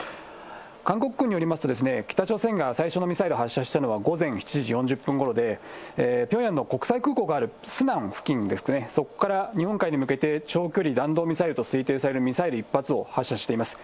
韓国軍によりますと、北朝鮮が最初のミサイルを発射したのは午前７時４０分ごろで、ピョンヤンの国際空港があるスナン付近ですね、そこから日本海に向けて長距離弾道ミサイルと推定されるミサイル１発を発射しています。